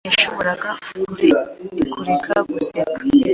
Ntiyashoboraga kureka guseka.